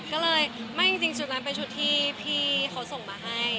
ก็เลยไม่จริงชุดนั้นเป็นชุดที่พี่เขาส่งมาให้